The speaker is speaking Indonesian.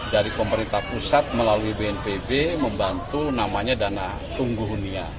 dari pemerintah pusat melalui bnpb membantu namanya dana tunggu hunian